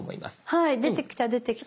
はい出てきた出てきた。